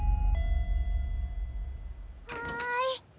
はい。